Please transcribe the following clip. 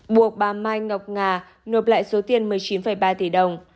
buộc bà mai ngọc nga nộp lại số tiền một mươi chín ba tỷ đồng